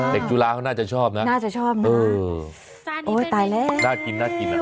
เด็กจุฬาเขาน่าจะชอบนะ